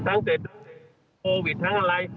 ตั้งแต่โควิดทั้งอะไร